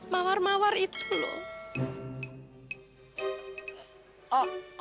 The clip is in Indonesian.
mawar mawar itu loh